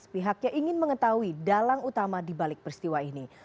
pihaknya ingin mengetahui dalang utama dibalik peristiwa ini